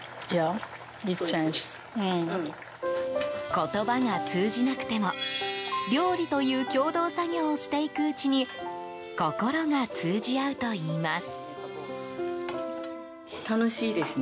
言葉が通じなくても料理という共同作業をしていくうちに心が通じ合うといいます。